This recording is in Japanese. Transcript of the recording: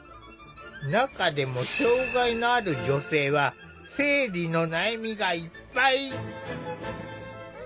中でも障害のある女性は生理の悩みがいっぱい！